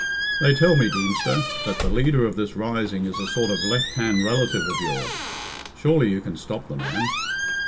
"They tell me. Deemster, that the leader of this rising is a sort of left hand relative of yours. Surely you can stop the man."